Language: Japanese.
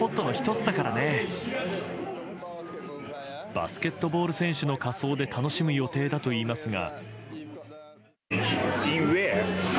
バスケットボール選手の仮装で楽しむ予定だといいますが。